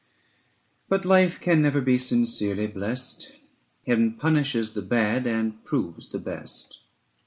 But life can never be sincerely blest ; Heaven punishes the bad, and proves the best.